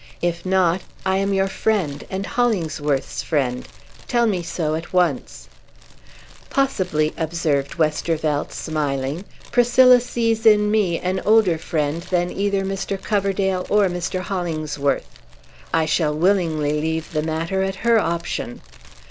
"If not, I am your friend, and Hollingsworth's friend. Tell me so, at once." "Possibly," observed Westervelt, smiling, "Priscilla sees in me an older friend than either Mr. Coverdale or Mr. Hollingsworth. I shall willingly leave the matter at her option."